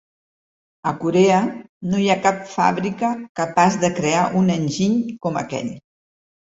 A Corea no hi ha cap fàbrica capaç de crear un enginy com aquell.